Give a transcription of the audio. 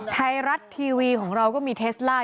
ไทรัตทีวีของเราก็มีเทซล่า